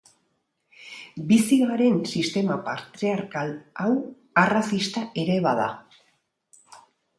Eguzkia gero eta goizago agertzen zen.